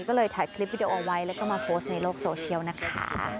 ก็เลยถ่ายคลิปวิดีโอเอาไว้แล้วก็มาโพสต์ในโลกโซเชียลนะคะ